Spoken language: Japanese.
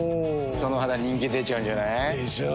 その肌人気出ちゃうんじゃない？でしょう。